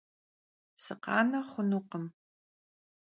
Sıkhane xhunukhım.